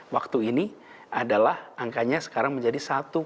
waktu ini adalah angkanya sekarang menjadi satu lima belas